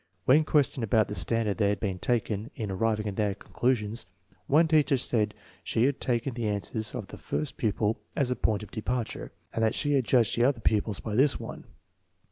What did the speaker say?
When questioned about the standard that had boon taken in ar riving at their eonelusioiis* one tonohor said he had taken SOURCES OF ERROR IN JUDGING 33 the answers of the first pupil as a point of departure, and that she had judged the other pupils by this one.